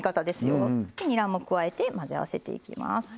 でにらも加えて混ぜ合わせていきます。